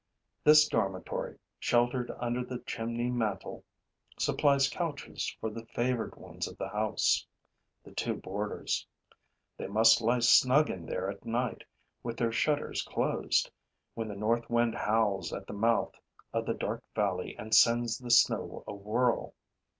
This dormitory, sheltered under the chimney mantel, supplies couches for the favored ones of the house, the two boarders. They must lie snug in there at night, with their shutters closed, when the north wind howls at the mouth of the dark valley and sends the snow awhirl.